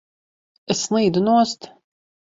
Es slīdu nost!